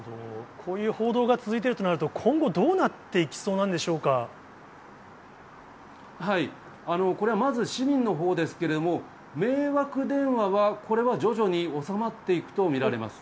こういう報道が続いているとなると、これはまず市民のほうですけれども、迷惑電話は、これは徐々に収まっていくと見られます。